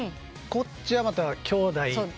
こっちはきょうだい。